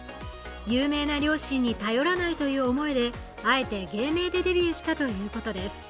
有名な両親に頼らないという思いであえて芸名でデビューしたということです。